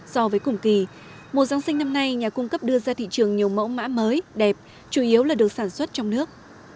so với cùng kỳ mùa giáng sinh năm nay nhà cung cấp đưa ra thị trường nhiều mẫu mã mới đẹp chủ yếu là được sản xuất trong nước